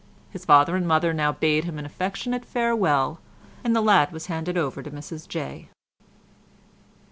His father and mother now bade him an affectionate farewell, and the lad was handed over to Mrs Jay.